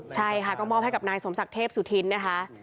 ใช่ค่ะก็มอบให้กับนายสมศักดิ์เทพสุธินนะคะ